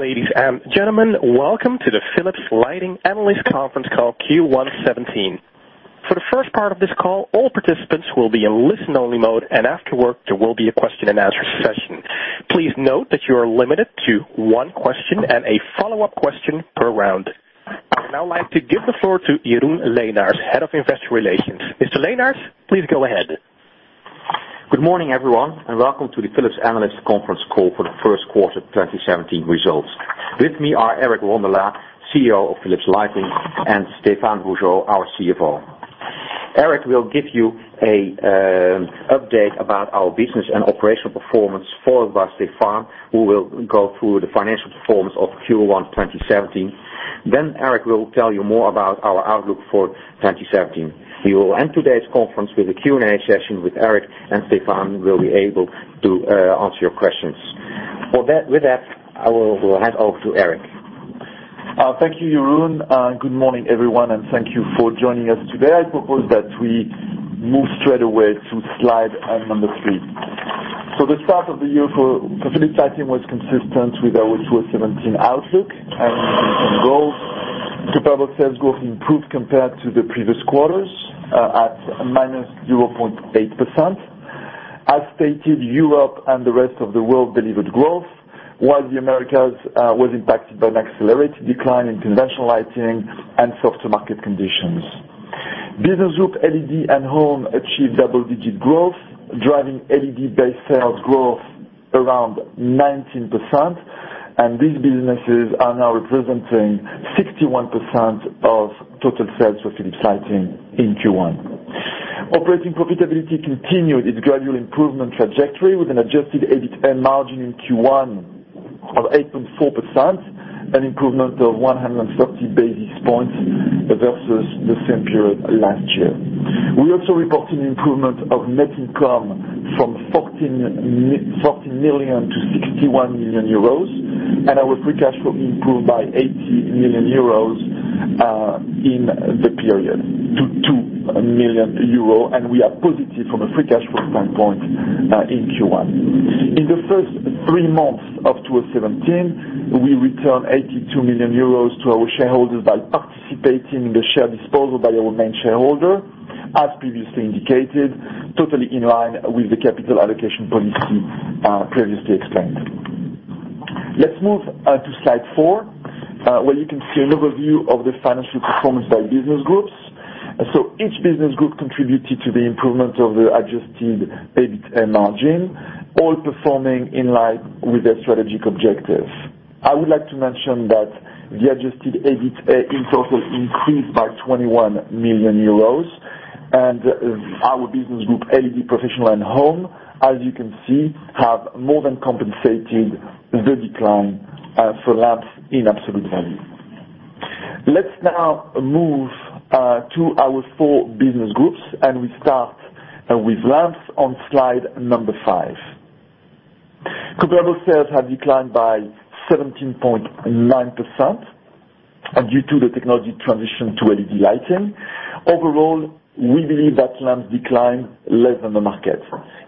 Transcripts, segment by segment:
Ladies and gentlemen, welcome to the Philips Lighting Analyst Conference Call Q1 '17. For the first part of this call, all participants will be in listen-only mode. Afterward, there will be a question-and-answer session. Please note that you are limited to one question and a follow-up question per round. I'd now like to give the floor to Jeroen Leenaers, Head of Investor Relations. Mr. Leenaers, please go ahead. Good morning, everyone, and welcome to the Philips Analyst Conference Call for the first quarter 2017 results. With me are Eric Rondolat, CEO of Philips Lighting, and Stéphane Rougeot, our CFO. Eric will give you an update about our business and operational performance. Followed by Stéphane, who will go through the financial performance of Q1 2017. Eric will tell you more about our outlook for 2017. We will end today's conference with a Q&A session with Eric. Stéphane will be able to answer your questions. With that, I will hand over to Eric. Thank you, Jeroen. Good morning, everyone, and thank you for joining us today. I propose that we move straight away to slide number three. The start of the year for Philips Lighting was consistent with our 2017 outlook and goals. Comparable sales growth improved compared to the previous quarters at minus 0.8%. As stated, Europe and the rest of the world delivered growth, while the Americas was impacted by an accelerated decline in conventional lighting and softer market conditions. Business group LED and Home achieved double-digit growth, driving LED-based sales growth around 19%. These businesses are now representing 61% of total sales for Philips Lighting in Q1. Operating profitability continued its gradual improvement trajectory with an adjusted EBITA margin in Q1 of 8.4%, an improvement of 130 basis points versus the same period last year. We also reported an improvement of net income from 14 million to €61 million. Our free cash flow improved by €80 million in the period to €2 million. We are positive from a free cash flow standpoint in Q1. In the first three months of 2017, we returned €82 million to our shareholders by participating in the share disposal by our main shareholder, as previously indicated, totally in line with the capital allocation policy previously explained. Let's move to slide four, where you can see an overview of the financial performance by business groups. Each business group contributed to the improvement of the adjusted EBITA margin, all performing in line with their strategic objective. I would like to mention that the Adjusted EBITA in total increased by €21 million, and our business group LED Professional and Home, as you can see, have more than compensated the decline for lamps in absolute value. Let's now move to our four business groups, and we start with lamps on slide seven. Comparable sales have declined by 17.9% due to the technology transition to LED lighting. Overall, we believe that lamps declined less than the market.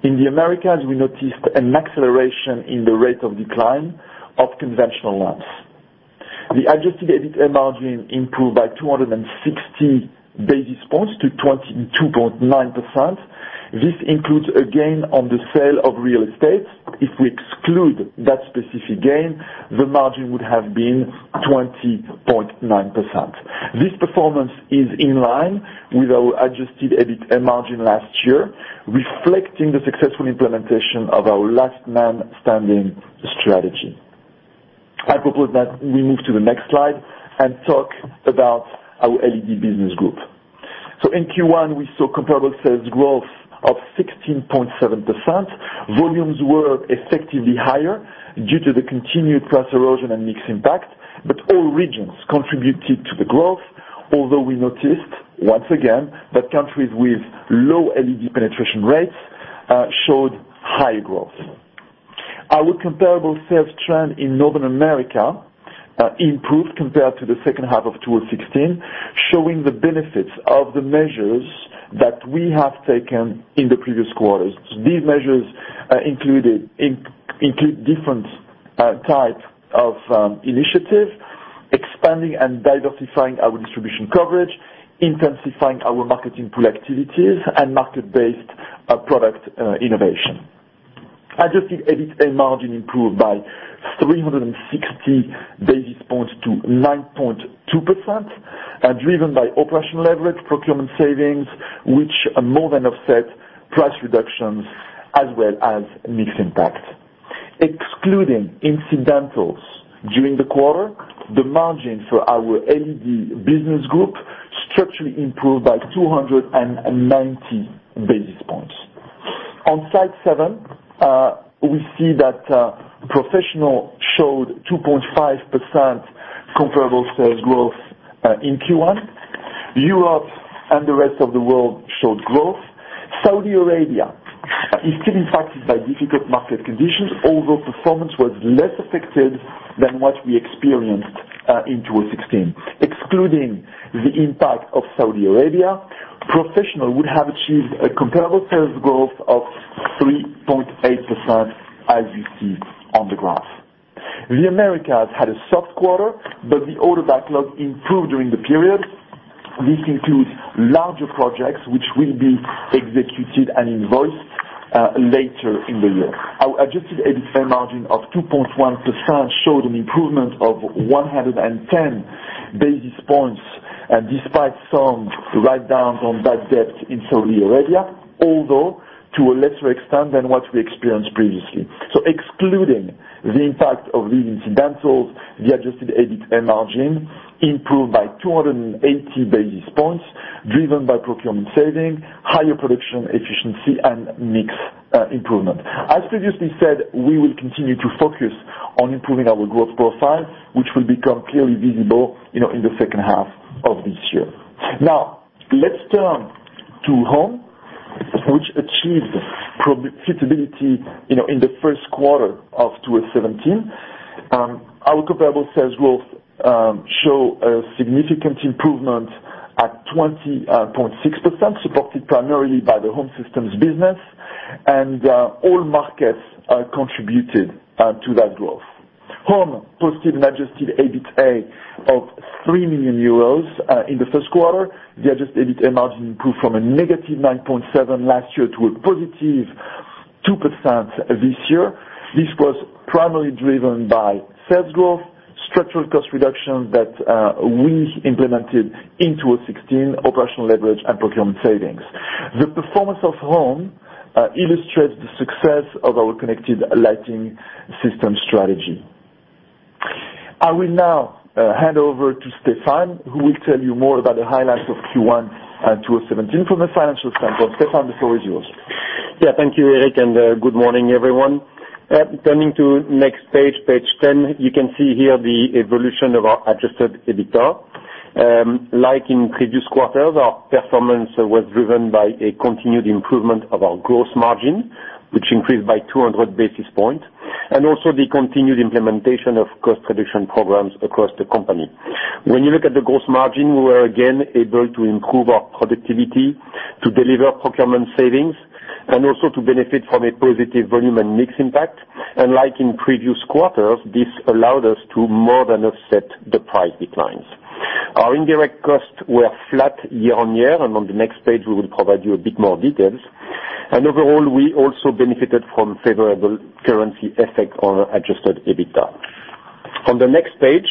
In the Americas, we noticed an acceleration in the rate of decline of conventional lamps. The Adjusted EBITA margin improved by 260 basis points to 22.9%. This includes a gain on the sale of real estate. If we exclude that specific gain, the margin would have been 20.9%. This performance is in line with our Adjusted EBITA margin last year, reflecting the successful implementation of our last man standing strategy. I propose that we move to the next slide and talk about our LED business group. In Q1, we saw comparable sales growth of 16.7%. Volumes were effectively higher due to the continued price erosion and mix impact. All regions contributed to the growth. Although we noticed, once again, that countries with low LED penetration rates showed higher growth. Our comparable sales trend in Northern America improved compared to the second half of 2016, showing the benefits of the measures that we have taken in the previous quarters. These measures include different types of initiatives, expanding and diversifying our distribution coverage, intensifying our marketing pool activities, and market-based product innovation. Adjusted EBITA margin improved by 360 basis points to 9.2%, driven by operational leverage procurement savings, which more than offset price reductions as well as mix impact. Excluding incidentals during the quarter, the margin for our LED business group structurally improved by 290 basis points. On slide seven, we see that Professional showed 2.5% comparable sales growth in Q1. Europe and the rest of the world showed growth. Saudi Arabia is still impacted by difficult market conditions, although performance was less affected than what we experienced in 2016. Excluding the impact of Saudi Arabia, Professional would have achieved a comparable sales growth of 3.8%, as you see on the graph. The Americas had a soft quarter. The order backlog improved during the period. This includes larger projects which will be executed and invoiced later in the year. Our Adjusted EBITA margin of 2.1% showed an improvement of 110 basis points, despite some write-downs on bad debt in Saudi Arabia, although to a lesser extent than what we experienced previously. Excluding the impact of these incidentals, the Adjusted EBITA margin improved by 280 basis points, driven by procurement saving, higher production efficiency and mix improvement. As previously said, we will continue to focus on improving our growth profile, which will become clearly visible in the second half of this year. Let's turn to Home, which achieved profitability in the first quarter of 2017. Our comparable sales growth show a significant improvement at 20.6%, supported primarily by the home systems business. All markets contributed to that growth. Home posted an Adjusted EBITA of €3 million in the first quarter. The Adjusted EBITA margin improved from a negative 9.7% last year to a positive 2% this year. This was primarily driven by sales growth, structural cost reduction that we implemented into 2016, operational leverage and procurement savings. The performance of Home illustrates the success of our connected lighting system strategy. I will now hand over to Stéphane, who will tell you more about the highlights of Q1 2017 from a financial standpoint. Stéphane, the floor is yours. Thank you, Eric, and good morning, everyone. Turning to next page 10. You can see here the evolution of our adjusted EBITDA. Like in previous quarters, our performance was driven by a continued improvement of our gross margin, which increased by 200 basis points, and also the continued implementation of cost reduction programs across the company. When you look at the gross margin, we were again able to improve our productivity to deliver procurement savings and also to benefit from a positive volume and mix impact. Like in previous quarters, this allowed us to more than offset the price declines. Our indirect costs were flat year-on-year. On the next page, we will provide you a bit more details. Overall, we also benefited from favorable currency effect on adjusted EBITDA. On the next page,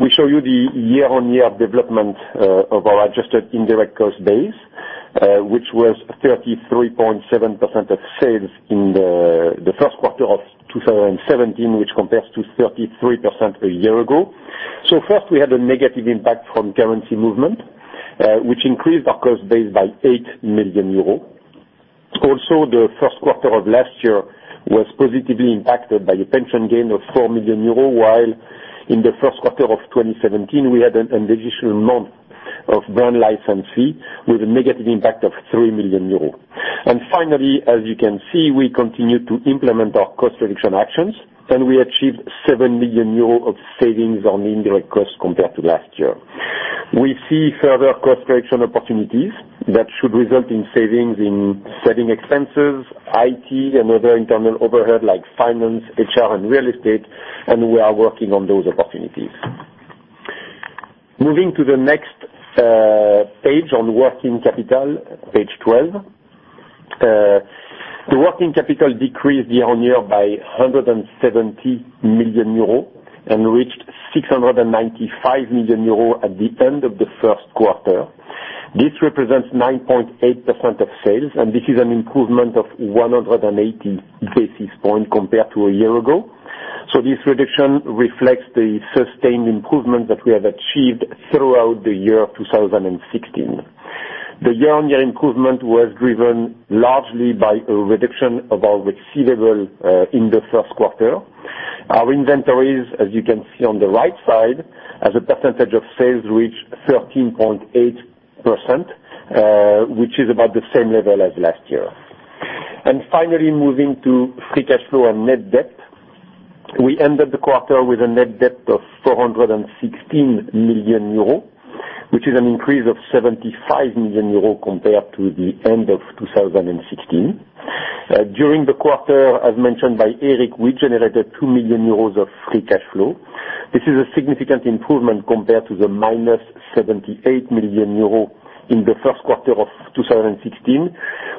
we show you the year-on-year development of our adjusted indirect cost base, which was 33.7% of sales in the first quarter of 2017, which compares to 33% a year ago. First, we had a negative impact from currency movement, which increased our cost base by 8 million euros. Also, the first quarter of last year was positively impacted by a pension gain of 4 million euros, while in the first quarter of 2017, we had an additional month of brand license fee with a negative impact of 3 million euros. Finally, as you can see, we continued to implement our cost reduction actions, and we achieved 7 million euros of savings on indirect costs compared to last year. We see further cost reduction opportunities that should result in savings in selling expenses, IT, and other internal overhead like finance, HR, and real estate, and we are working on those opportunities. Moving to the next page on working capital, page 12. The working capital decreased year-on-year by 170 million euro and reached 695 million euro at the end of the first quarter. This represents 9.8% of sales, and this is an improvement of 180 basis points compared to a year ago. This reduction reflects the sustained improvement that we have achieved throughout the year 2016. The year-on-year improvement was driven largely by a reduction of our receivable in the first quarter. Our inventories, as you can see on the right side, as a percentage of sales reached 13.8%, which is about the same level as last year. Finally, moving to free cash flow and net debt. We ended the quarter with a net debt of 416 million euros, which is an increase of 75 million euros compared to the end of 2016. During the quarter, as mentioned by Eric, we generated 2 million euros of free cash flow. This is a significant improvement compared to the minus 78 million euros in the first quarter of 2016,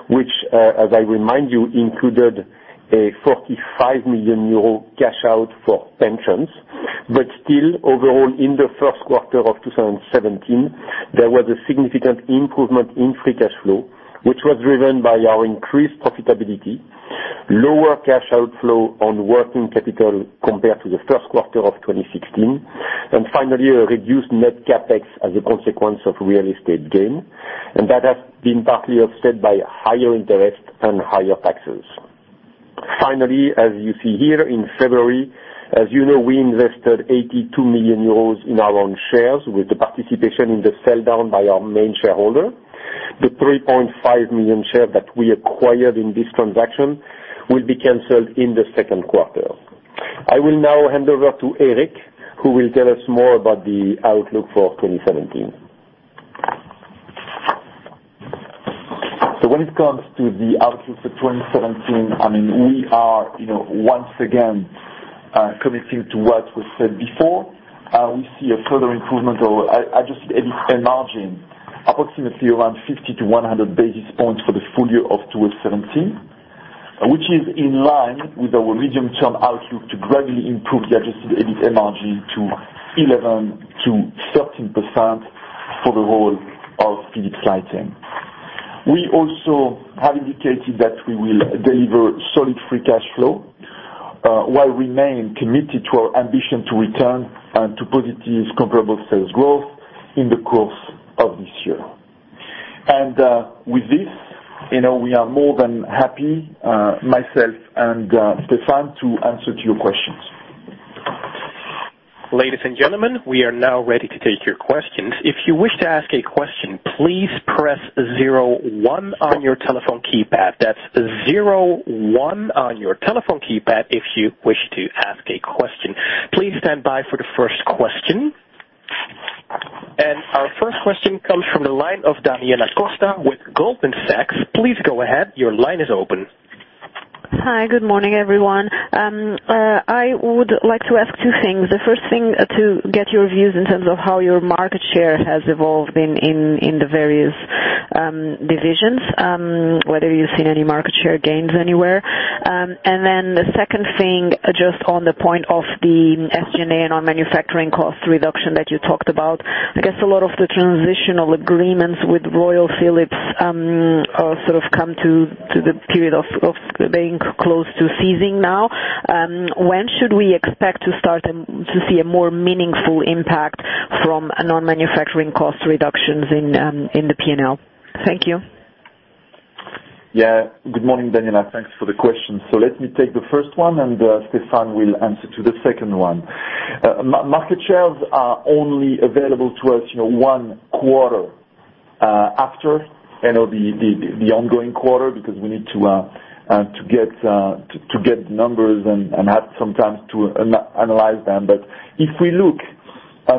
which, as I remind you, included a 45 million euro cash out for pensions. Still, overall, in the first quarter of 2017, there was a significant improvement in free cash flow, which was driven by our increased profitability, lower cash outflow on working capital compared to the first quarter of 2016, and finally, a reduced net CapEx as a consequence of real estate gain. That has been partly offset by higher interest and higher taxes. As you see here in February, as you know, we invested 82 million euros in our own shares with the participation in the sell-down by our main shareholder. The 3.5 million share that we acquired in this transaction will be canceled in the second quarter. I will now hand over to Eric, who will tell us more about the outlook for 2017. When it comes to the outlook for 2017, we are once again committing to what was said before. We see a further improvement of adjusted EBIT margin approximately around 50 to 100 basis points for the full year of 2017, which is in line with our medium-term outlook to gradually improve the adjusted EBIT margin to 11%-13% for the whole of Philips Lighting. We also have indicated that we will deliver solid free cash flow, while remaining committed to our ambition to return to positive comparable sales growth in the course of this year. With this, we are more than happy, myself and Stéphane, to answer to your questions. Ladies and gentlemen, we are now ready to take your questions. If you wish to ask a question, please press zero one on your telephone keypad. That's zero one on your telephone keypad if you wish to ask a question. Please stand by for the first question. Our first question comes from the line of Daniela Costa with Goldman Sachs. Please go ahead. Your line is open. Hi. Good morning, everyone. I would like to ask two things. The first thing, to get your views in terms of how your market share has evolved in the various divisions, whether you've seen any market share gains anywhere. The second thing, just on the point of the SGA and on manufacturing cost reduction that you talked about. I guess a lot of the transitional agreements with Royal Philips have come to the period of being close to ceasing now. When should we expect to start to see a more meaningful impact from non-manufacturing cost reductions in the P&L? Thank you. Good morning, Daniela. Thanks for the question. Let me take the first one, and Stéphane will answer to the second one. Market shares are only available to us one quarter after the ongoing quarter because we need to get the numbers and add some time to analyze them. If we look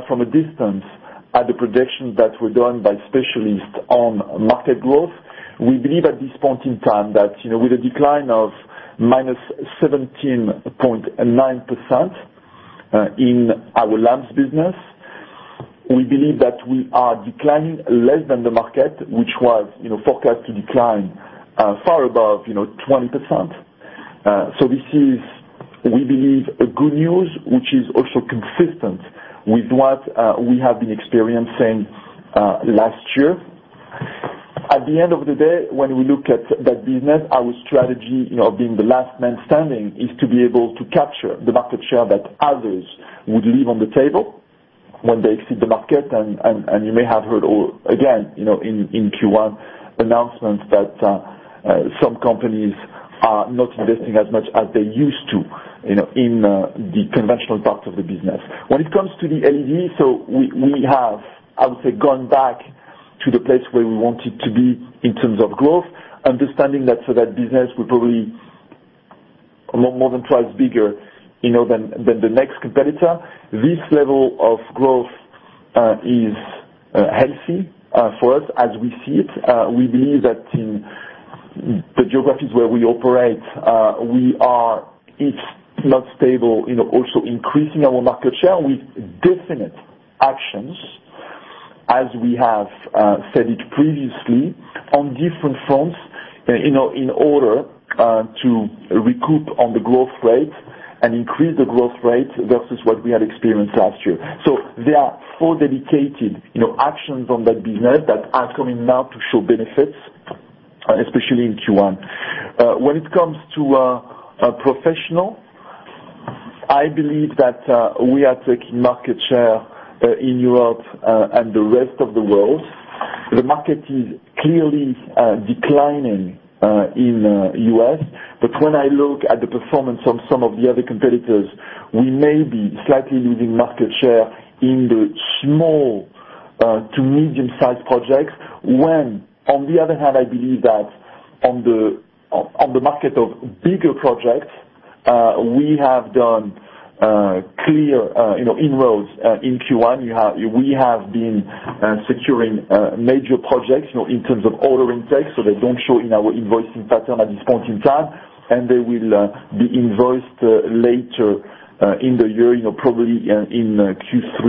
from a distance at the predictions that were done by specialists on market growth, we believe at this point in time that with a decline of -17.9% in our lamps business, we believe that we are declining less than the market, which was forecast to decline far above 20%. This is, we believe, a good news, which is also consistent with what we have been experiencing last year. At the end of the day, when we look at that business, our strategy of being the last man standing is to be able to capture the market share that others would leave on the table when they exit the market. You may have heard, again, in Q1, announcements that some companies are not investing as much as they used to in the conventional part of the business. When it comes to the LED, we have, I would say, gone back to the place where we wanted to be in terms of growth, understanding that for that business we're probably more than twice bigger than the next competitor. This level of growth is healthy for us as we see it. We believe that in the geographies where we operate, it's not stable, also increasing our market share with definite actions as we have said it previously on different fronts in order to recoup on the growth rate and increase the growth rate versus what we had experienced last year. There are 4 dedicated actions on that business that are coming now to show benefits, especially in Q1. When it comes to professional, I believe that we are taking market share in Europe and the rest of the world. The market is clearly declining in U.S., when I look at the performance of some of the other competitors, we may be slightly losing market share in the small to medium-sized projects. On the other hand, I believe that on the market of bigger projects, we have done clear inroads in Q1. We have been securing major projects in terms of order intake, they don't show in our invoicing pattern at this point in time, they will be invoiced later in the year, probably in Q3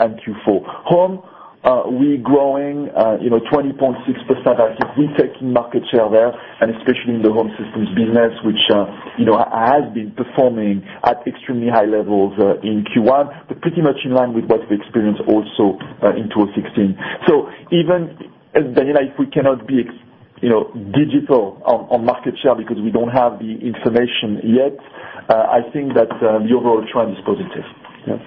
and Q4. Home, we're growing 20.6%, I think we're taking market share there, especially in the home systems business, which has been performing at extremely high levels in Q1, but pretty much in line with what we experienced also in 2016. Even, Daniela, if we cannot be digital on market share because we don't have the information yet, I think that the overall trend is positive. Yeah.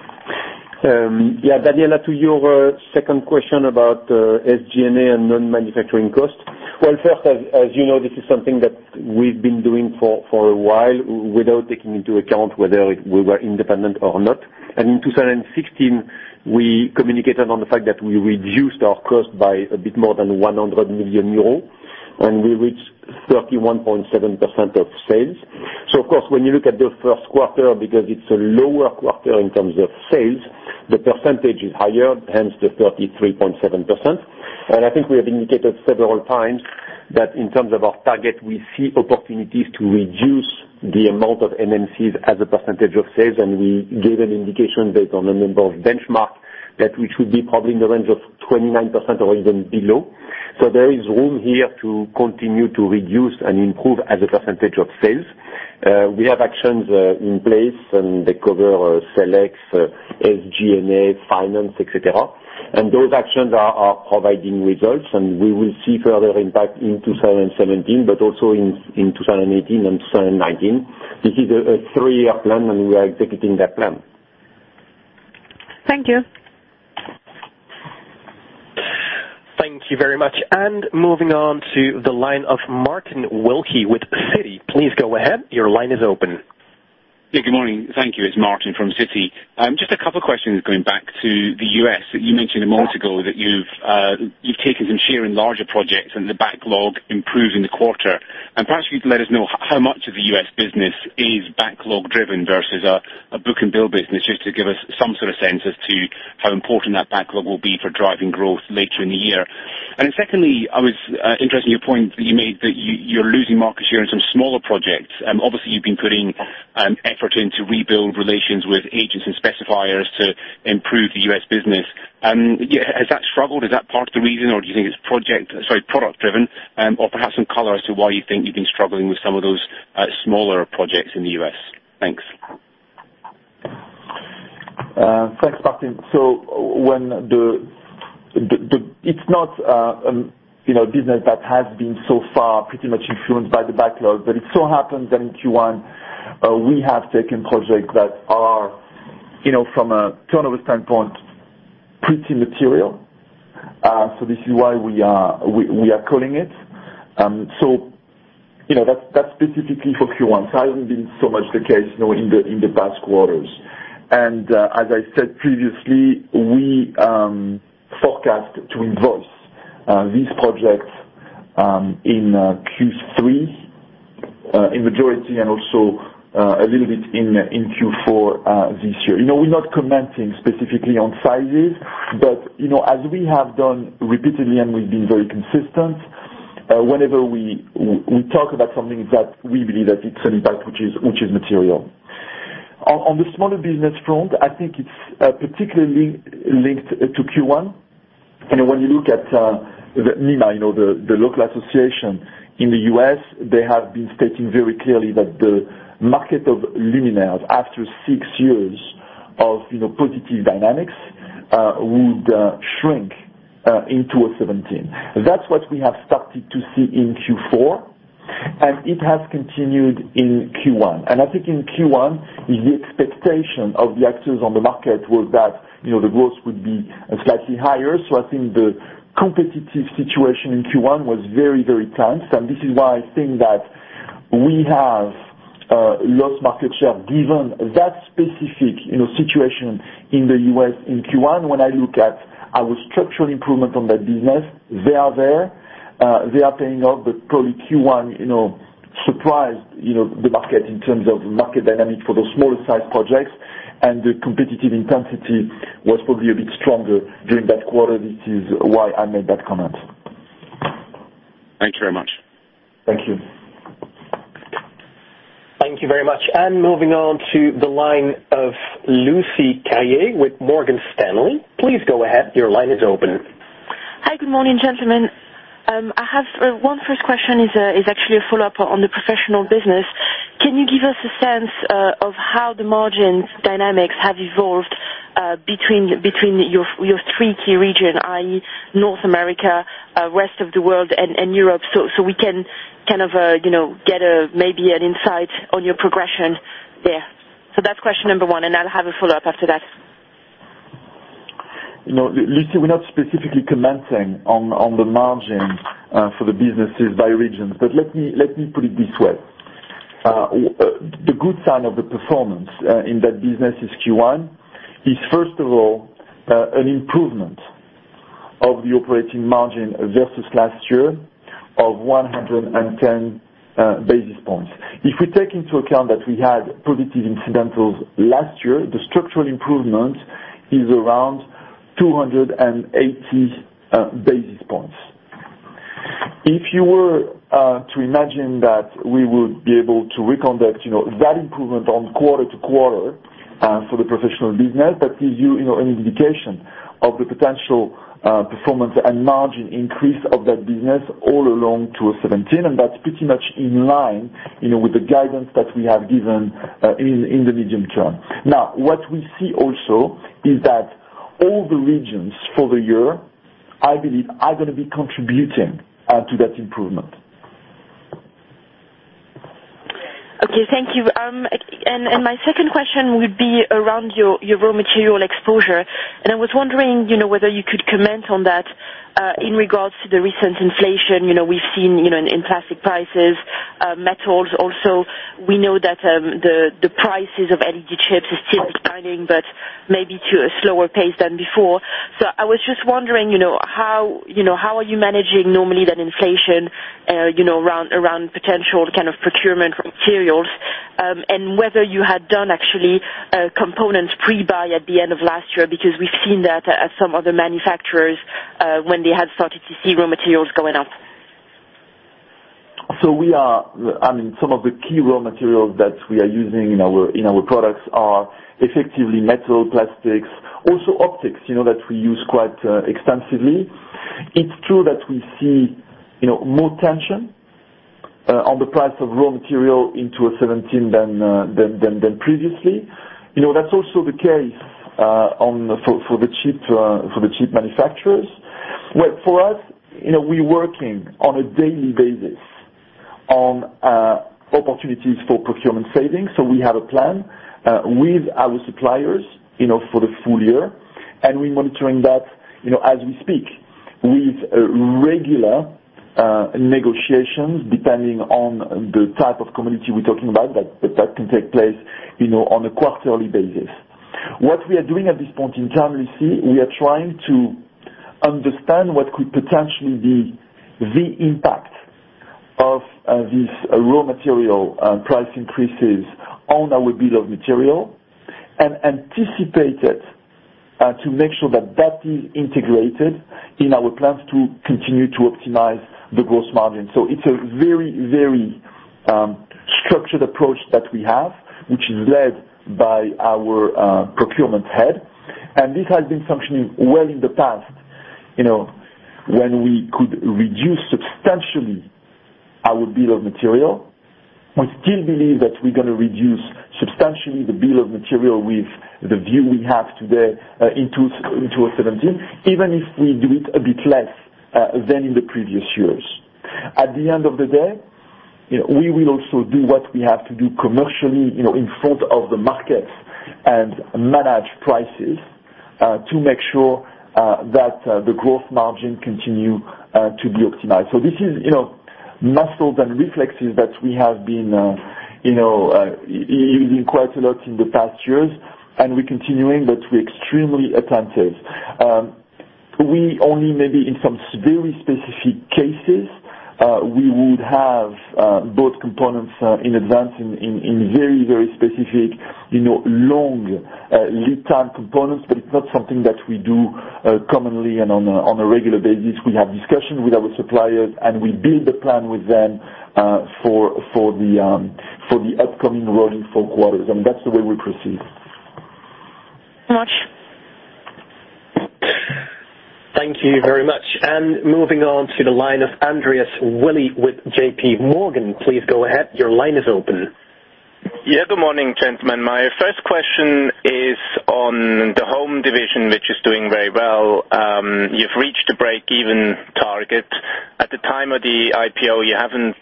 Yeah, Daniela, to your second question about SG&A and non-manufacturing cost. Well, first, as you know, this is something that we've been doing for a while without taking into account whether we were independent or not. In 2016, we communicated on the fact that we reduced our cost by a bit more than 100 million euros, we reached 31.7% of sales. Of course, when you look at the first quarter, because it's a lower quarter in terms of sales, the percentage is higher, hence the 33.7%. I think we have indicated several times that in terms of our target, we see opportunities to reduce the amount of MNCs as a percentage of sales, we gave an indication based on a number of benchmarks, that which would be probably in the range of 29% or even below. There is room here to continue to reduce and improve as a percentage of sales. We have actions in place, they cover select SG&A, finance, et cetera. Those actions are providing results, we will see further impact in 2017, but also in 2018 and 2019. This is a three-year plan, we are executing that plan. Thank you. Thank you very much. Moving on to the line of Martin Wilkie with Citi. Please go ahead. Your line is open. Yeah, good morning. Thank you. It's Martin from Citi. Just a couple questions going back to the U.S. You mentioned a moment ago that you've taken some share in larger projects and the backlog improved in the quarter. Perhaps you can let us know how much of the U.S. business is backlog-driven versus a book and bill business, just to give us some sort of sense as to how important that backlog will be for driving growth later in the year. Secondly, I was interested in your point that you made that you're losing market share in some smaller projects. Obviously, you've been putting effort in to rebuild relations with agents and specifiers to improve the U.S. business. Has that struggled? Is that part of the reason, or do you think it's product-driven? Perhaps some color as to why you think you've been struggling with some of those smaller projects in the U.S. Thanks. Thanks, Martin. It's not a business that has been so far pretty much influenced by the backlog, but it so happens that in Q1, we have taken projects that are, from a turnover standpoint, pretty material. This is why we are calling it. That's specifically for Q1. It hasn't been so much the case in the past quarters. As I said previously, we forecast to invoice these projects in Q3 in majority and also a little bit in Q4 this year. We're not commenting specifically on sizes, but as we have done repeatedly and we've been very consistent, whenever we talk about something that we believe that it's an impact which is material. On the smaller business front, I think it's particularly linked to Q1. When you look at NEMA, the local association in the U.S., they have been stating very clearly that the market of luminaires, after six years of positive dynamics, would shrink in 2017. That's what we have started to see in Q4, and it has continued in Q1. I think in Q1, the expectation of the actors on the market was that the growth would be slightly higher. I think the competitive situation in Q1 was very, very tense, and this is why I think that we have lost market share, given that specific situation in the U.S. in Q1. When I look at our structural improvement on that business, they are there. They are paying off, but probably Q1 surprised the market in terms of market dynamic for those smaller size projects and the competitive intensity was probably a bit stronger during that quarter. This is why I made that comment. Thank you very much. Thank you. Thank you very much. Moving on to the line of Lucie Carrier with Morgan Stanley. Please go ahead. Your line is open. Hi. Good morning, gentlemen. I have one first question, is actually a follow-up on the professional business. Can you give us a sense of how the margin dynamics have evolved between your three key region, i.e. North America, rest of the world and Europe, so we can kind of get maybe an insight on your progression there? That's question number 1, I'll have a follow-up after that. Lucie, we're not specifically commenting on the margin for the businesses by region. Let me put it this way. The good sign of the performance in that business this Q1 is, first of all, an improvement of the operating margin versus last year of 110 basis points. If we take into account that we had positive incidentals last year, the structural improvement is around 280 basis points. If you were to imagine that we would be able to reconduct that improvement on quarter-to-quarter for the professional business, that gives you an indication of the potential performance and margin increase of that business all along to 2017, that's pretty much in line with the guidance that we have given in the medium term. What we see also is that all the regions for the year, I believe, are going to be contributing to that improvement. Okay. Thank you. My second question would be around your raw material exposure. I was wondering whether you could comment on that in regards to the recent inflation we've seen in plastic prices, metals also. We know that the prices of LED chips are still declining, but maybe to a slower pace than before. I was just wondering, how are you managing normally that inflation around potential procurement materials, and whether you had done actually a component pre-buy at the end of last year, because we've seen that at some other manufacturers when they had started to see raw materials going up. Some of the key raw materials that we are using in our products are effectively metal, plastics, also optics, that we use quite extensively. It's true that we see more tension on the price of raw material in 2017 than previously. That's also the case for the chip manufacturers. For us, we working on a daily basis on opportunities for procurement savings. We have a plan with our suppliers for the full year, and we're monitoring that as we speak with regular negotiations, depending on the type of commodity we're talking about, that can take place on a quarterly basis. What we are doing at this point in time, Lucie, we are trying to understand what could potentially be the impact of these raw material price increases on our bill of material, and anticipate it to make sure that that is integrated in our plans to continue to optimize the gross margin. It's a very structured approach that we have, which is led by our procurement head, and this has been functioning well in the past, when we could reduce substantially our bill of material. We still believe that we're going to reduce substantially the bill of material with the view we have today into 2017, even if we do it a bit less than in the previous years. At the end of the day, we will also do what we have to do commercially, in front of the markets and manage prices, to make sure that the gross margin continue to be optimized. This is muscles and reflexes that we have been using quite a lot in the past years, and we're continuing, but we're extremely attentive. We only, maybe in some very specific cases, we would have both components in advance in very specific long lead time components, but it's not something that we do commonly and on a regular basis. We have discussion with our suppliers, and we build the plan with them for the upcoming rolling four quarters. That's the way we proceed. Much. Thank you very much. Moving on to the line of Andreas Willi with J.P. Morgan. Please go ahead. Your line is open. Yeah. Good morning, gentlemen. My first question is on the home division, which is doing very well. You've reached a break-even target. At the time of the IPO, you haven't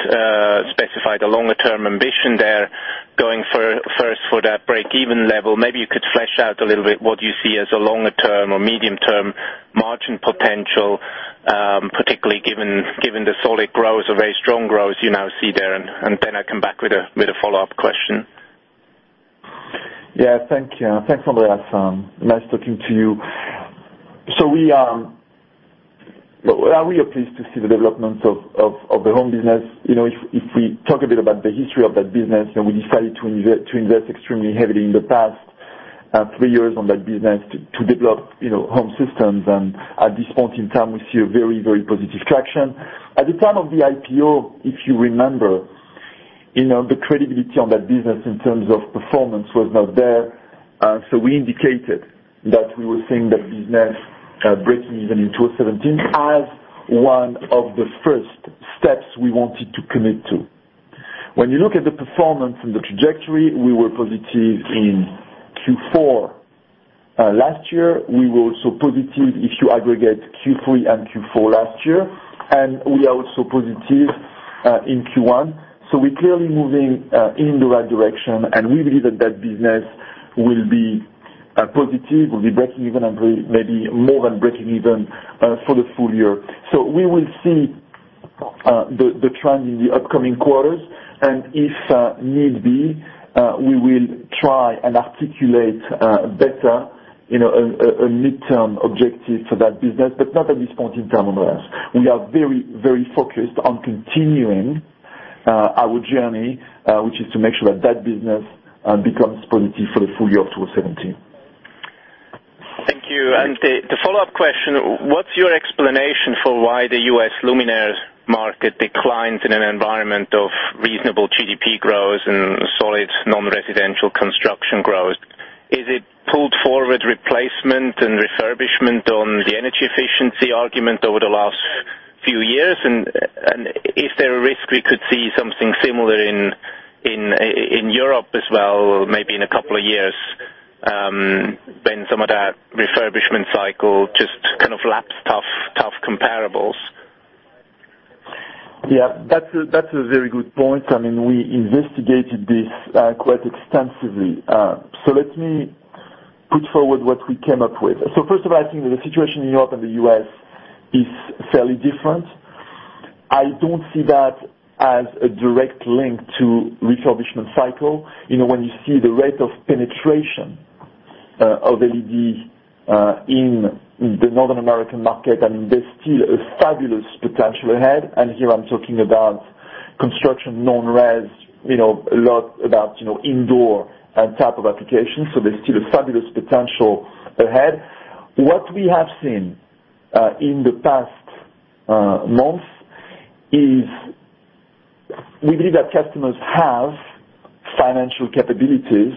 specified a longer-term ambition there going first for that break-even level. Maybe you could flesh out a little bit what you see as a longer-term or medium-term margin potential, particularly given the solid growth or very strong growth you now see there, and then I come back with a follow-up question. Yeah. Thanks, Andreas. Nice talking to you. We are pleased to see the development of the home business. If we talk a bit about the history of that business, we decided to invest extremely heavily in the past three years on that business to develop home systems. At this point in time, we see a very positive traction. At the time of the IPO, if you remember, the credibility on that business in terms of performance was not there. We indicated that we were seeing that business breaking even in 2017 as one of the first steps we wanted to commit to. When you look at the performance and the trajectory, we were positive in Q4 last year. We were also positive if you aggregate Q3 and Q4 last year, and we are also positive in Q1. We're clearly moving in the right direction, and we believe that that business will be positive, will be breaking even, and maybe more than breaking even for the full year. We will see the trend in the upcoming quarters, and if need be, we will try and articulate better a midterm objective for that business, but not at this point in time, Andreas. We are very focused on continuing our journey, which is to make sure that that business becomes positive for the full year of 2017. Thank you. The follow-up question, what's your explanation for why the U.S. luminaires market declines in an environment of reasonable GDP growth and solid non-residential construction growth? Is it pulled forward replacement and refurbishment on the energy efficiency argument over the last few years? Is there a risk we could see something similar in Europe as well, maybe in a couple of years, when some of that refurbishment cycle just kind of laps tough comparables? Yeah, that's a very good point. We investigated this quite extensively. Let me Put forward what we came up with. First of all, I think the situation in Europe and the U.S. is fairly different. I don't see that as a direct link to refurbishment cycle. When you see the rate of penetration of LEDs in the Northern American market, and there's still a fabulous potential ahead, and here I'm talking about construction, non-res, a lot about indoor and type of applications. There's still a fabulous potential ahead. What we have seen in the past month is we believe that customers have financial capabilities,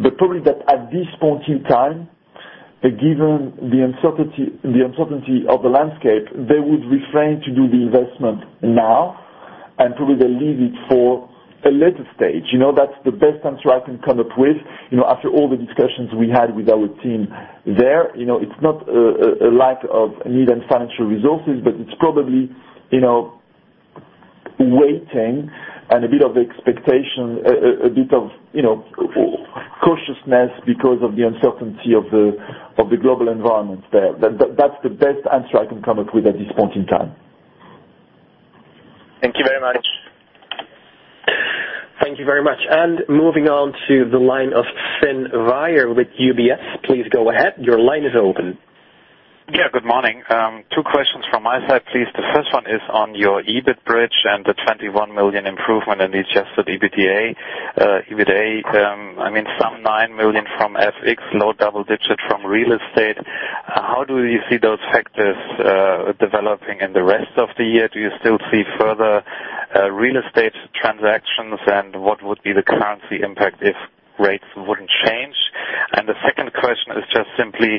but probably that at this point in time, given the uncertainty of the landscape, they would refrain to do the investment now, and probably they leave it for a later stage. That's the best answer I can come up with, after all the discussions we had with our team there. It's not a lack of need and financial resources, it's probably waiting and a bit of expectation, a bit of cautiousness because of the uncertainty of the global environment there. That's the best answer I can come up with at this point in time. Thank you very much. Thank you very much. Moving on to the line of Finn Ryer with UBS. Please go ahead. Your line is open. Good morning. Two questions from my side, please. The first one is on your EBIT bridge and the 21 million improvement in the adjusted EBITDA. I mean, some 9 million from FX, low double-digit from real estate. How do you see those factors developing in the rest of the year? Do you still see further real estate transactions? What would be the currency impact if rates wouldn't change? The second question is just simply,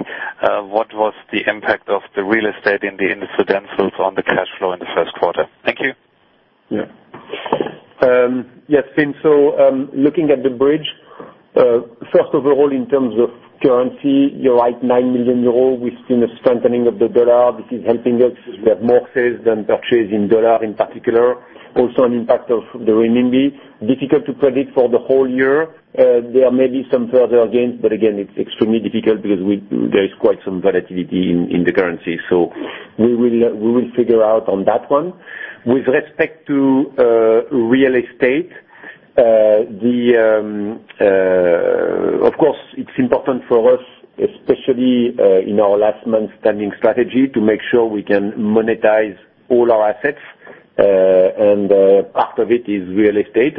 what was the impact of the real estate in the incidentals on the cash flow in the first quarter? Thank you. Yes, Finn, looking at the bridge, first overall in terms of currency, you're right, 9 million euros. We've seen a strengthening of the dollar. This is helping us as we have more sales than purchase in dollar in particular. Also an impact of the renminbi. Difficult to predict for the whole year. There may be some further gains, but again, it's extremely difficult because there is quite some volatility in the currency. We will figure out on that one. With respect to real estate, of course it's important for us, especially in our last man standing strategy to make sure we can monetize all our assets. Part of it is real estate,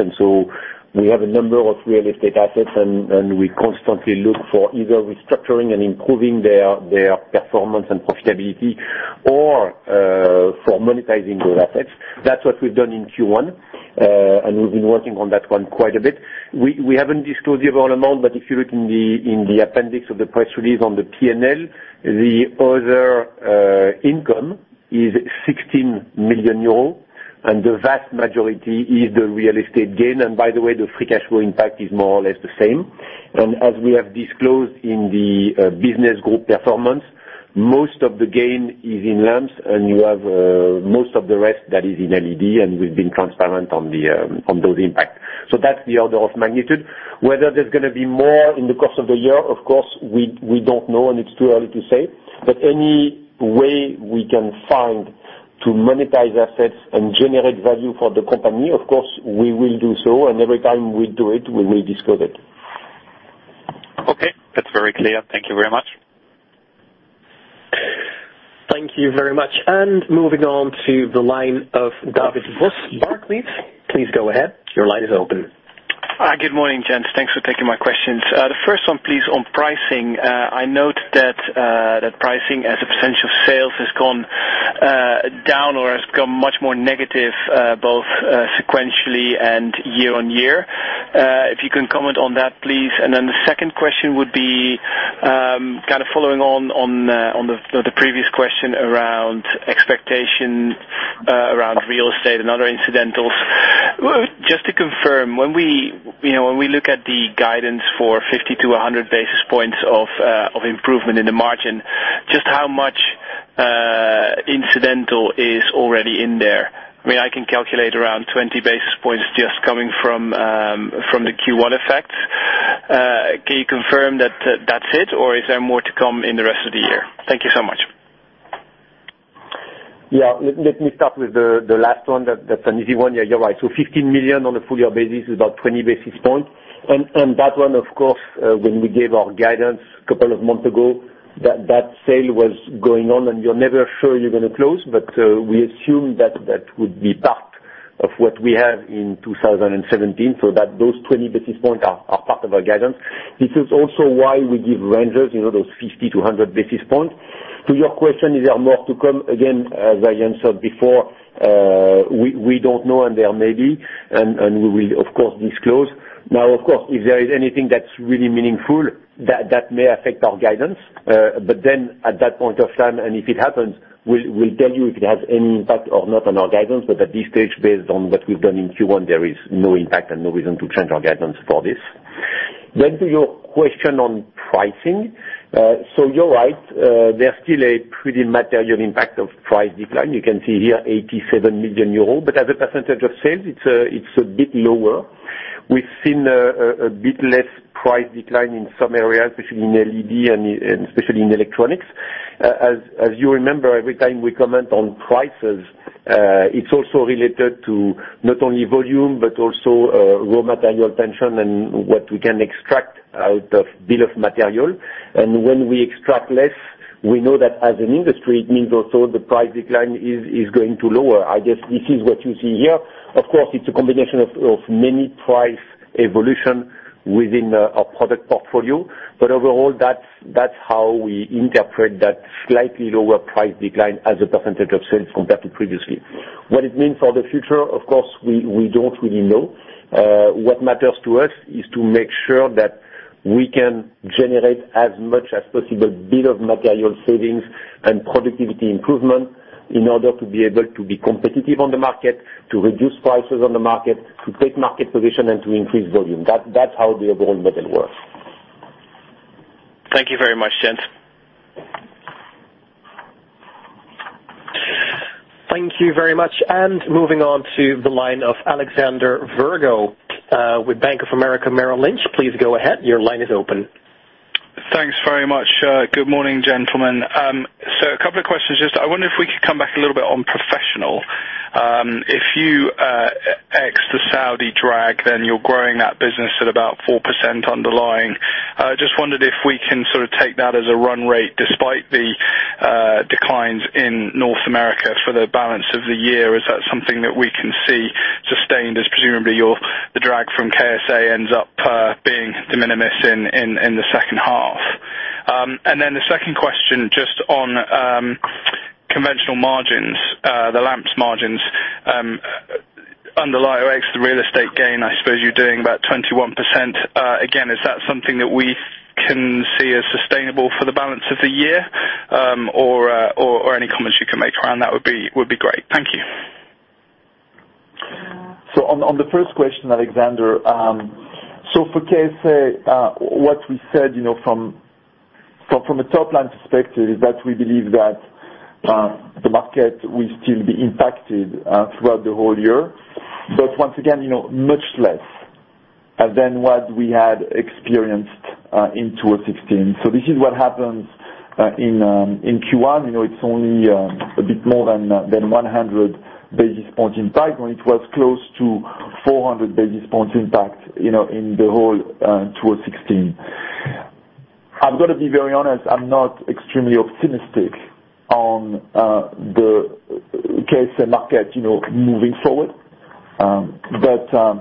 we have a number of real estate assets and we constantly look for either restructuring and improving their performance and profitability or for monetizing those assets. That's what we've done in Q1, we've been working on that one quite a bit. We haven't disclosed the overall amount, but if you look in the appendix of the press release on the P&L, the other income is 16 million euros, the vast majority is the real estate gain. By the way, the free cash flow impact is more or less the same. As we have disclosed in the business group performance, most of the gain is in lamps and you have most of the rest that is in LED, we've been transparent on those impact. That's the order of magnitude. Whether there's going to be more in the course of the year, of course, we don't know and it's too early to say. Any way we can find to monetize assets and generate value for the company, of course we will do so, every time we do it, we may disclose it. Okay. That's very clear. Thank you very much. Thank you very much. Moving on to the line of David Vos, Barclays. Please go ahead. Your line is open. Hi, good morning, gents. Thanks for taking my questions. The first one, please, on pricing. I note that pricing as a percentage of sales has gone down or has gone much more negative, both sequentially and year-over-year. If you can comment on that, please. The second question would be kind of following on the previous question around expectation around real estate and other incidentals. Just to confirm, when we look at the guidance for 50-100 basis points of improvement in the margin, just how much incidental is already in there? I mean, I can calculate around 20 basis points just coming from the Q1 effect. Can you confirm that that's it, or is there more to come in the rest of the year? Thank you so much. Let me start with the last one. That's an easy one. You're right. 15 million on a full year basis is about 20 basis points. That one, of course, when we gave our guidance a couple of months ago, that sale was going on and you're never sure you're going to close, but we assume that that would be part of what we have in 2017, those 20 basis points are part of our guidance. This is also why we give ranges, those 50-100 basis points. To your question, is there more to come? Again, as I answered before, we don't know, and there may be, and we will of course disclose. Of course, if there is anything that's really meaningful, that may affect our guidance. At that point of time, if it happens, we'll tell you if it has any impact or not on our guidance. At this stage, based on what we've done in Q1, there is no impact and no reason to change our guidance for this. To your question on pricing, you're right. There's still a pretty material impact of price decline. You can see here, 87 million euro. As a percentage of sales, it's a bit lower. We've seen a bit less price decline in some areas, especially in LED and especially in electronics. As you remember, every time we comment on prices, it's also related to not only volume, but also raw material tension and what we can extract out of bill of material. When we extract less, we know that as an industry, it means also the price decline is going to lower. I guess this is what you see here. Of course, it's a combination of many price evolution within our product portfolio. Overall, that's how we interpret that slightly lower price decline as a percentage of sales compared to previously. What it means for the future, of course, we don't really know. What matters to us is to make sure that we can generate as much as possible bill of material savings and productivity improvement in order to be able to be competitive on the market, to reduce prices on the market, to take market position, and to increase volume. That's how the overall model works. Thank you very much, gents. Thank you very much. Moving on to the line of Alexander Virgo with Bank of America Merrill Lynch. Please go ahead. Your line is open. Thanks very much. Good morning, gentlemen. A couple of questions. I wonder if we could come back a little bit on professional. If you ex the Saudi drag, you're growing that business at about 4% underlying. I wondered if we can take that as a run rate despite the declines in North America for the balance of the year. Is that something that we can see sustained as presumably the drag from KSA ends up being de minimis in the second half? The second question just on conventional margins, the lamps margins. Underlying or ex, the real estate gain, I suppose you're doing about 21%. Again, is that something that we can see as sustainable for the balance of the year? Any comments you can make around that would be great. Thank you. On the first question, Alexander. For KSA, what we said from a top-line perspective is that we believe that the market will still be impacted throughout the whole year. Once again, much less than what we had experienced in 2016. This is what happens in Q1. It's only a bit more than 100 basis point impact, when it was close to 400 basis point impact in the whole 2016. I've got to be very honest, I'm not extremely optimistic on the KSA market moving forward. The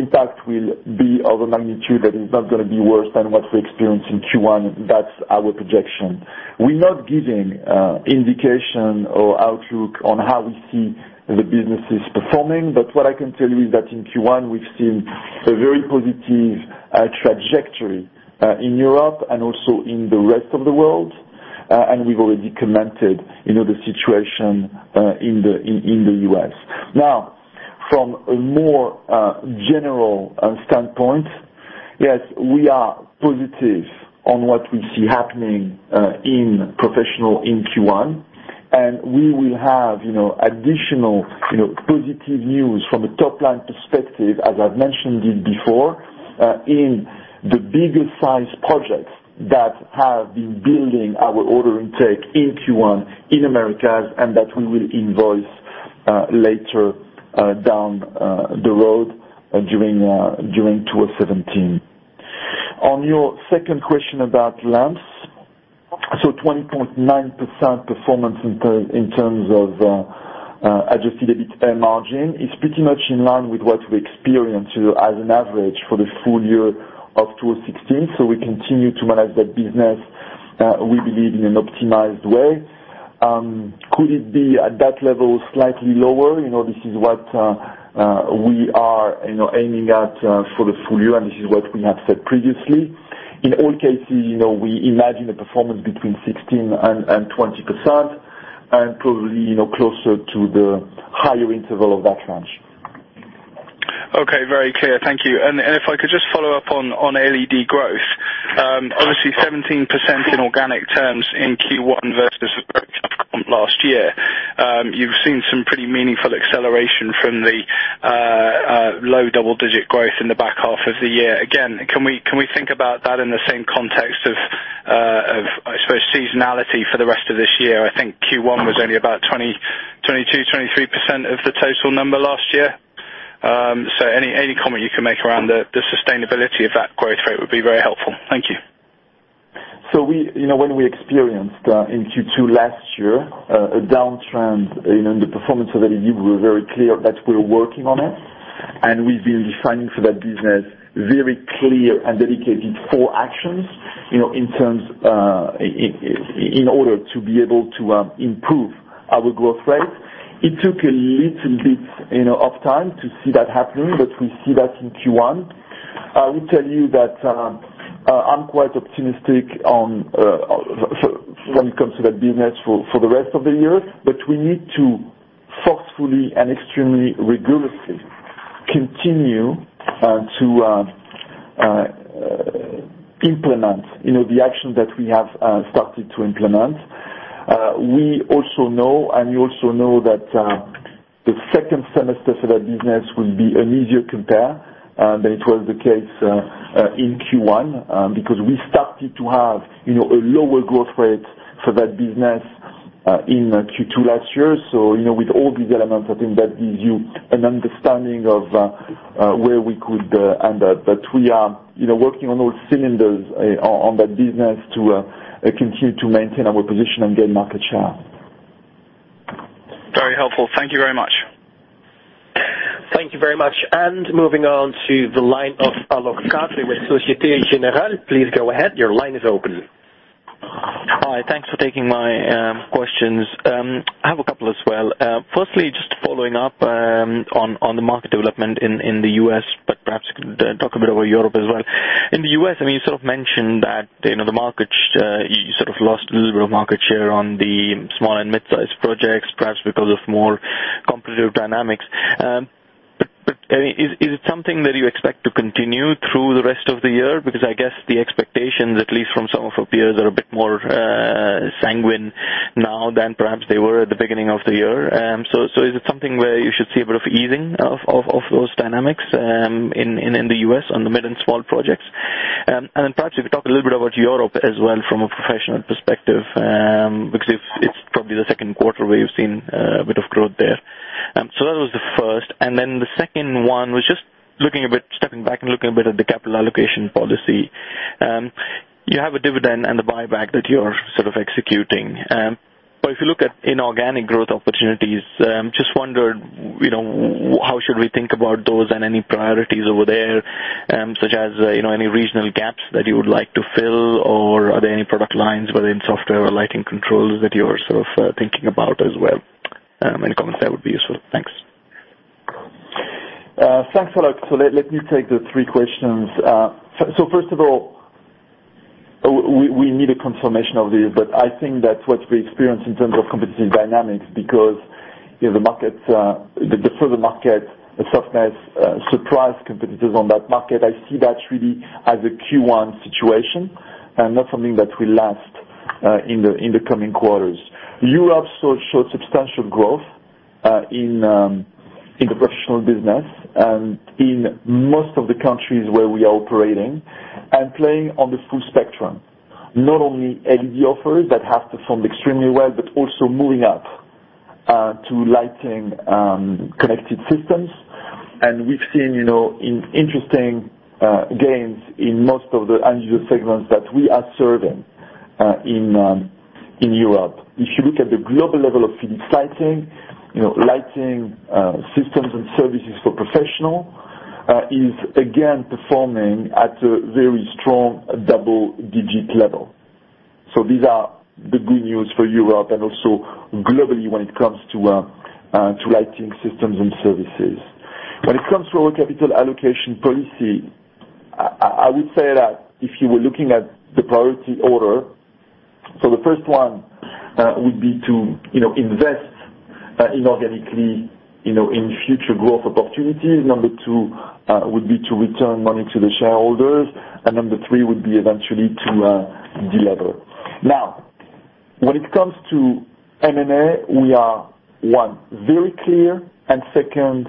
impact will be of a magnitude that is not going to be worse than what we experienced in Q1. That's our projection. We're not giving indication or outlook on how we see the businesses performing. What I can tell you is that in Q1, we've seen a very positive trajectory in Europe and also in the rest of the world. We've already commented in other situation in the U.S. From a more general standpoint, yes, we are positive on what we see happening in professional in Q1, and we will have additional positive news from a top-line perspective, as I've mentioned it before, in the bigger size projects that have been building our order intake in Q1 in Americas, and that we will invoice later down the road during 2017. On your second question about lamps. 20.9% performance in terms of adjusted EBITA margin is pretty much in line with what we experienced as an average for the full year of 2016. We continue to manage that business, we believe in an optimized way. Could it be at that level, slightly lower? This is what we are aiming at for the full year. This is what we have said previously. In all cases, we imagine a performance between 16%-20%, probably closer to the higher interval of that range. Okay. Very clear. Thank you. If I could just follow up on LED growth. Obviously 17% in organic terms in Q1 versus last year. You've seen some pretty meaningful acceleration from the low double-digit growth in the back half of the year. Again, can we think about that in the same context of, I suppose, seasonality for the rest of this year? I think Q1 was only about 22%, 23% of the total number last year. Any comment you can make around the sustainability of that growth rate would be very helpful. Thank you. When we experienced in Q2 last year, a downtrend in the performance of LED, we were very clear that we're working on it. We've been defining for that business very clear and dedicated four actions in order to be able to improve our growth rate. It took a little bit of time to see that happening, but we see that in Q1. I will tell you that I'm quite optimistic when it comes to that business for the rest of the year. We need to forcefully and extremely rigorously Continue to implement the action that we have started to implement. We also know, and you also know that the second semester for that business will be an easier compare than it was the case in Q1, because we started to have a lower growth rate for that business in Q2 last year. With all these elements, I think that gives you an understanding of where we could end up. We are working on all cylinders on that business to continue to maintain our position and gain market share. Very helpful. Thank you very much. Thank you very much. Moving on to the line of Alok Katre with Société Générale. Please go ahead. Your line is open. Hi. Thanks for taking my questions. I have a couple as well. Firstly, just following up on the market development in the U.S., perhaps you could talk a bit about Europe as well. In the U.S., you sort of mentioned that you sort of lost a little bit of market share on the small and mid-size projects, perhaps because of more competitive dynamics. Is it something that you expect to continue through the rest of the year? Because I guess the expectations, at least from some of our peers, are a bit more sanguine now than perhaps they were at the beginning of the year. Is it something where you should see a bit of easing of those dynamics in the U.S. on the mid and small projects? Perhaps you could talk a little bit about Europe as well from a professional perspective, because it's probably the second quarter where you've seen a bit of growth there. That was the first, the second one was just stepping back and looking a bit at the capital allocation policy. You have a dividend and the buyback that you're sort of executing. If you look at inorganic growth opportunities, just wondered how should we think about those and any priorities over there, such as any regional gaps that you would like to fill, or are there any product lines within software or lighting controls that you are sort of thinking about as well? Any comments there would be useful. Thanks. Thanks, Alok. Let me take the three questions. First of all, we need a confirmation of this, I think that's what we experience in terms of competitive dynamics because the further market softness surprised competitors on that market. I see that really as a Q1 situation and not something that will last in the coming quarters. Europe still shows substantial growth in the professional business and in most of the countries where we are operating and playing on the full spectrum. Not only LED offers that have performed extremely well, but also moving up to lighting connected systems. We've seen interesting gains in most of the end-user segments that we are serving in Europe. If you look at the global level of Philips Lighting, lighting systems and services for professional is again performing at a very strong double-digit level. These are the good news for Europe and also globally when it comes to lighting systems and services. When it comes to our capital allocation policy, I would say that if you were looking at the priority order, the first one would be to invest inorganically in future growth opportunities. Number two would be to return money to the shareholders, and number three would be eventually to de-lever. When it comes to M&A, we are, one, very clear, and second,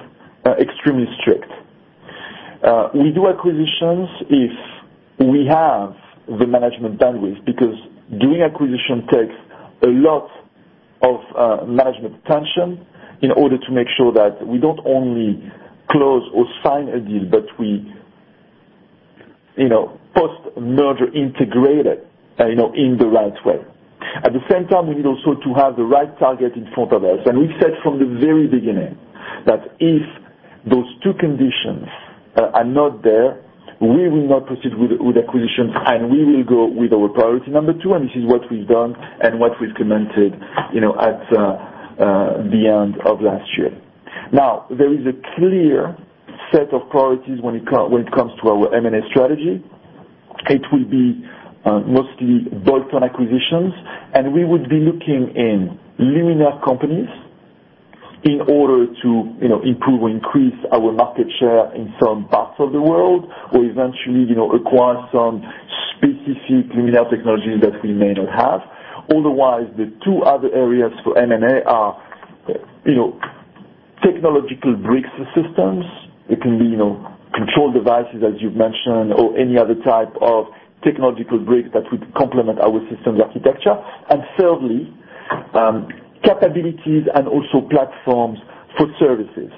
extremely strict. We do acquisitions if we have the management bandwidth, because doing acquisition takes a lot of management attention in order to make sure that we don't only close or sign a deal, but we post-merger integrate it in the right way. At the same time, we need also to have the right target in front of us. We've said from the very beginning that if those two conditions are not there, we will not proceed with acquisitions and we will go with our priority number two, and this is what we've done and what we've commented at the end of last year. There is a clear set of priorities when it comes to our M&A strategy. It will be mostly bolt-on acquisitions, and we would be looking in luminaire companies in order to improve or increase our market share in some parts of the world, or eventually acquire some specific luminaire technology that we may not have. Otherwise, the two other areas for M&A are technological bricks systems. It can be control devices, as you've mentioned, or any other type of technological brick that would complement our systems architecture. Thirdly, capabilities and also platforms for services.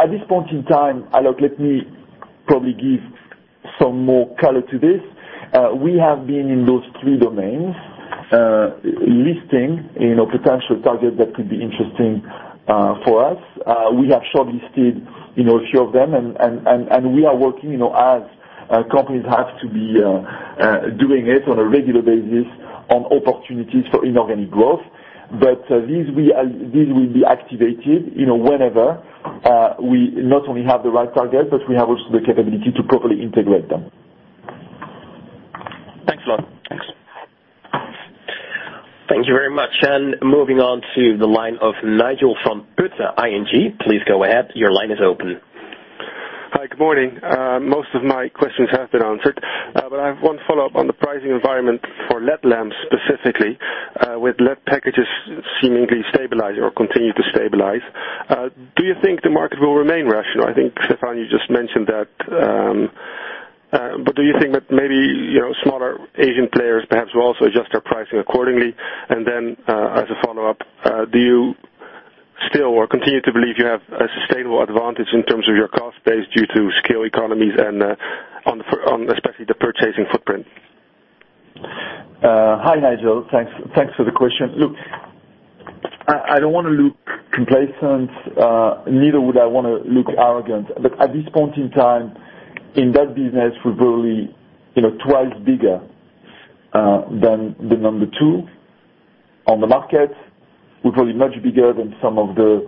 At this point in time, Alok, let me probably give some more color to this. We have been in those three domains, listing potential targets that could be interesting for us. We have shortlisted a few of them, and we are working as companies have to be doing it on a regular basis on opportunities for inorganic growth. These will be activated whenever we not only have the right target, but we have also the capability to properly integrate them. Moving on to the line of Nigel van Putten, ING. Please go ahead. Your line is open. Hi. Good morning. Most of my questions have been answered, but I have one follow-up on the pricing environment for LED lamps specifically, with LED packages seemingly stabilizing or continuing to stabilize. Do you think the market will remain rational? I think, Stéphane, you just mentioned that. Do you think that maybe smaller Asian players perhaps will also adjust their pricing accordingly? As a follow-up, do you still or continue to believe you have a sustainable advantage in terms of your cost base due to scale economies and on especially the purchasing footprint? Hi, Nigel. Thanks for the question. Look, I don't want to look complacent. Neither would I want to look arrogant, but at this point in time, in that business, we're probably twice bigger than the number 2 on the market. We're probably much bigger than some of the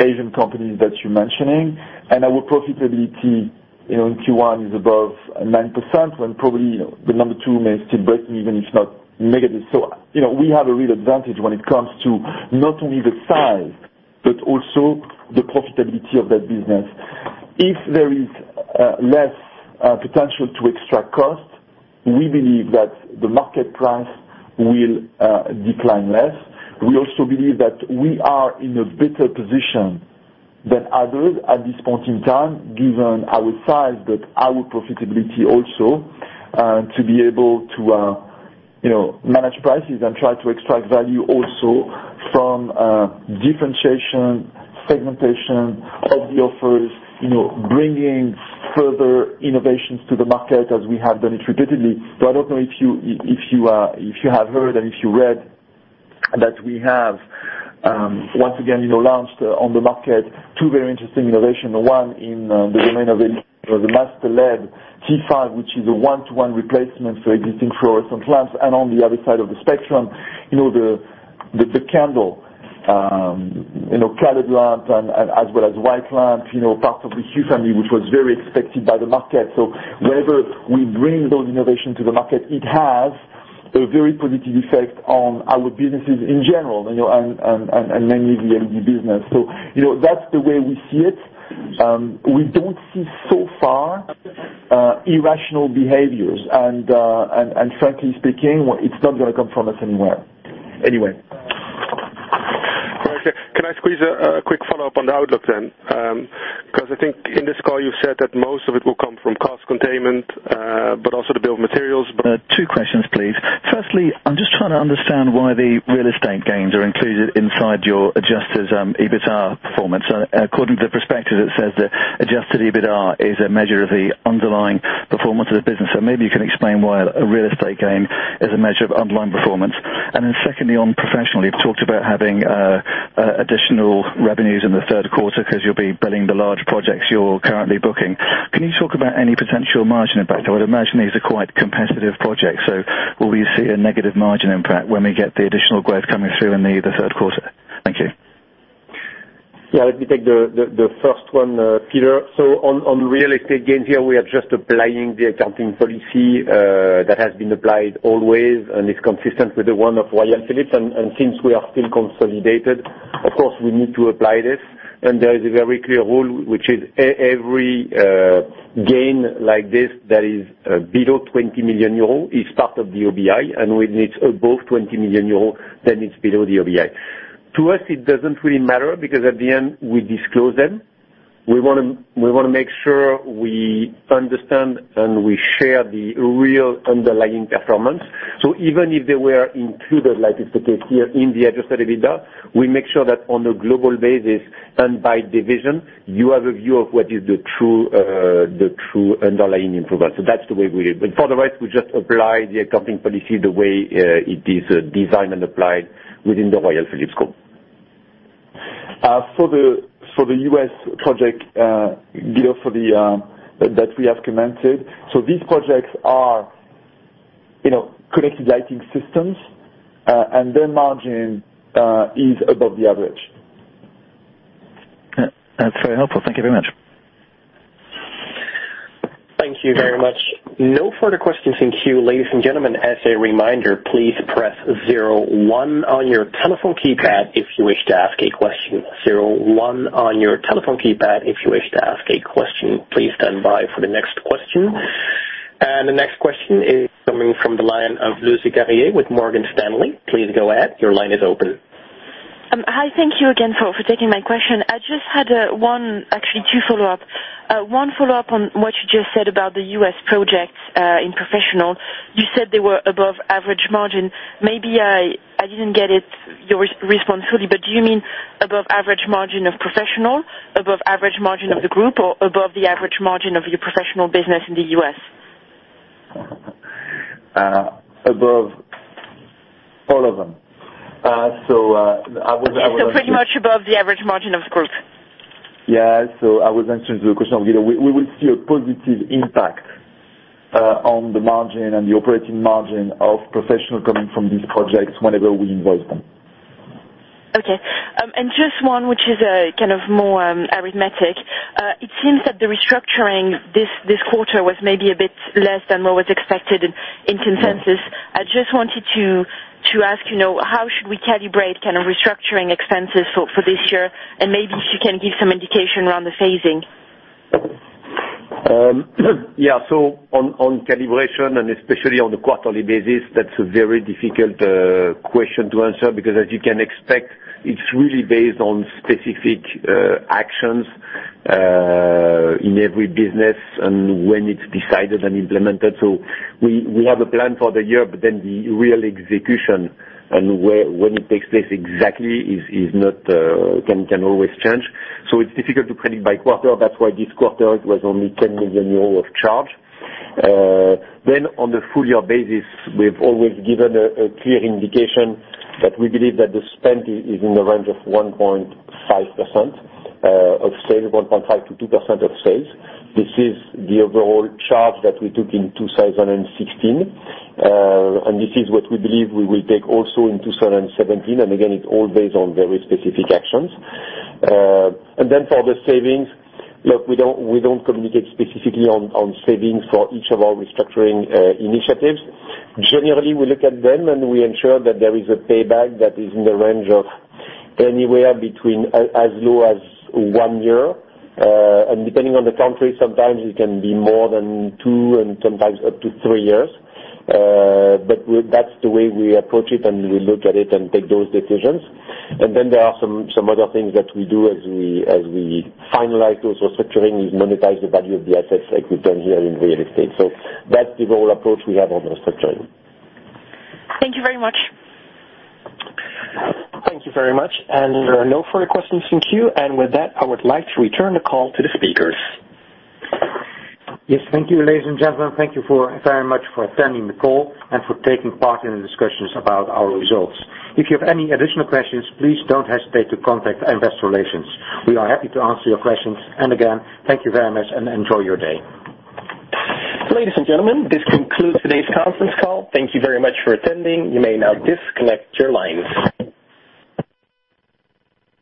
Asian companies that you're mentioning. Our profitability in Q1 is above 9%, when probably the number 2 may still break even, if not make it. We have a real advantage when it comes to not only the size, but also the profitability of that business. If there is less potential to extract cost, we believe that the market price will decline less. We also believe that we are in a better position than others at this point in time, given our size, but our profitability also, to be able to manage prices and try to extract value also from differentiation, segmentation of the offers, bringing further innovations to the market as we have done it repeatedly. I don't know if you have heard and if you read that we have, once again, launched on the market 2 very interesting innovation. One in the domain of the Master LED T5, which is a one-to-one replacement for existing fluorescent lamps. On the other side of the spectrum, the candle, colored lamp as well as white lamps, part of the Hue family, which was very expected by the market. Wherever we bring those innovation to the market, it has a very positive effect on our businesses in general and mainly the LED business. That's the way we see it. We don't see so far irrational behaviors. Frankly speaking, it's not going to come from us anywhere. Can I squeeze a quick follow-up on the outlook then? I think in this call you said that most of it will come from cost containment, but also the bill of materials. Two questions, please. Firstly, I'm just trying to understand why the real estate gains are included inside your adjusted EBITDA performance. According to the perspective, it says that adjusted EBITDA is a measure of the underlying performance of the business. Maybe you can explain why a real estate gain is a measure of underlying performance. Secondly, on Professional, you've talked about having additional revenues in the third quarter because you'll be billing the large projects you're currently booking. Can you talk about any potential margin impact? I would imagine these are quite competitive projects. Will we see a negative margin impact when we get the additional growth coming through in the third quarter? Thank you. Let me take the first one, Peter. On real estate gains here, we are just applying the accounting policy that has been applied always and is consistent with the one of Royal Philips. Since we are still consolidated, of course, we need to apply this. There is a very clear rule, which is every gain like this that is below 20 million euro is part of the OBI, and when it's above 20 million euro, then it's below the OBI. To us, it doesn't really matter because at the end, we disclose them. We want to make sure we understand and we share the real underlying performance. Even if they were included, like it's the case here in the adjusted EBITDA, we make sure that on a global basis and by division, you have a view of what is the true underlying improvement. That's the way we do it. For the rest, we just apply the accounting policy the way it is designed and applied within the Royal Philips scope. For the U.S. project, Guido, that we have commented. These projects are connected lighting systems, their margin is above the average. That's very helpful. Thank you very much. Thank you very much. No further questions in queue. Ladies and gentlemen, as a reminder, please press zero one on your telephone keypad if you wish to ask a question. Zero one on your telephone keypad if you wish to ask a question. Please stand by for the next question. The next question is coming from the line of Lucie Carrier with Morgan Stanley. Please go ahead. Your line is open. Hi. Thank you again for taking my question. I just had one, actually two follow-up. One follow-up on what you just said about the U.S. projects in professional. You said they were above average margin. Maybe I didn't get your response fully, but do you mean above average margin of professional, above average margin of the group, or above the average margin of your professional business in the U.S.? Above all of them. I was answering- pretty much above the average margin of the group. Yeah. I was answering the question of Guido. We will see a positive impact on the margin and the operating margin of Professional coming from these projects whenever we invoice them. Okay. Just one which is kind of more arithmetic. It seems that the restructuring this quarter was maybe a bit less than what was expected in consensus. I just wanted to ask, how should we calibrate kind of restructuring expenses for this year? Maybe if you can give some indication around the phasing. Yeah. On calibration, and especially on the quarterly basis, that's a very difficult question to answer because as you can expect, it's really based on specific actions in every business and when it's decided and implemented. We have a plan for the year, but then the real execution and when it takes place exactly can always change. It's difficult to predict by quarter. That's why this quarter it was only €10 million of charge. Then on the full year basis, we've always given a clear indication that we believe that the spend is in the range of 1.5% of sale, 1.5%-2% of sales. This is the overall charge that we took in 2016, and this is what we believe we will take also in 2017. Again, it's all based on very specific actions. For the savings, look, we don't communicate specifically on savings for each of our restructuring initiatives. Generally, we look at them, and we ensure that there is a payback that is in the range of anywhere between as low as one year, and depending on the country, sometimes it can be more than two and sometimes up to three years. That's the way we approach it, and we look at it and take those decisions. There are some other things that we do as we finalize those restructuring. We monetize the value of the assets like we've done here in real estate. That's the overall approach we have on restructuring. Thank you very much. Thank you very much. There are no further questions in queue. With that, I would like to return the call to the speakers. Thank you, ladies and gentlemen. Thank you very much for attending the call and for taking part in the discussions about our results. If you have any additional questions, please don't hesitate to contact investor relations. We are happy to answer your questions. Again, thank you very much, and enjoy your day. Ladies and gentlemen, this concludes today's conference call. Thank you very much for attending. You may now disconnect your lines.